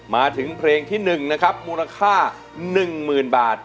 มาถึงเพลงที่๑นะครับมูลค่า๑๐๐๐บาท